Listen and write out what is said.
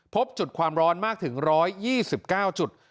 พบจุดความร้อนมากถึง๑๒๙จุด